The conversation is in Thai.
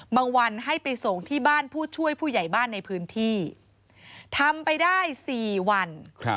วันให้ไปส่งที่บ้านผู้ช่วยผู้ใหญ่บ้านในพื้นที่ทำไปได้๔วัน